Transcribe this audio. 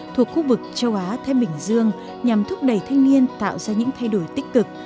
thuộc khu vực châu á thái bình dương nhằm thúc đẩy thanh niên tạo ra những thay đổi tích cực